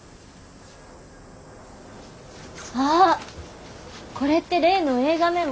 あっこれって例の映画メモ？